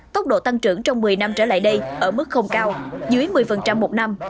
tốc độ tăng trưởng trong một mươi năm trở lại đây ở mức không cao dưới một mươi một năm